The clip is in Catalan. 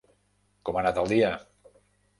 Com ha anat el dia?